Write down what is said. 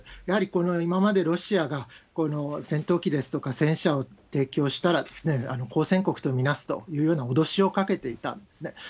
やはり今までロシアが戦闘機ですとか戦車を提供したら、交戦国と見なすというような脅しをかけていたんですね。